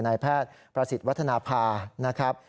นายแพทย์ประสิทธิ์วัฒนภานะครับ